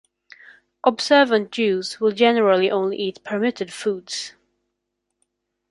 Observant Jews will generally only eat permitted foods.